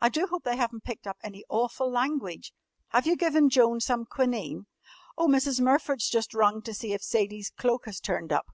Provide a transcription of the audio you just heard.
I do hope they haven't picked up any awful language. Have you given Joan some quinine? Oh, Mrs. Murford's just rung up to see if Sadie's cloak has turned up.